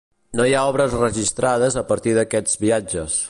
No hi ha obres registrades a partir d'aquests viatges.